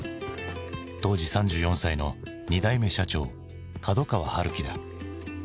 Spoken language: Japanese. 当時３４歳の２代目社長角川春樹だ。